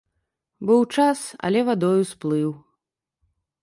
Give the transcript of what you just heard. Быў час, але вадою сплыў.